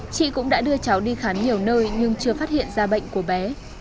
chị cũng đã đưa cháu đi khám nhiều nơi nhưng chưa phát hiện ra bệnh của bé